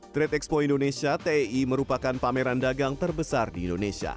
trade expo indonesia ti merupakan pameran dagang terbesar di indonesia